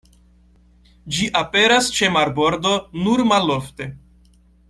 Ĝi aperas ĉe marbordo nur malofte.